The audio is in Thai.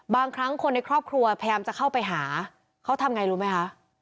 บางครั้งคนในครอบครัวพยายามจะเข้าไปหาเขาทำไงรู้ไหมคะ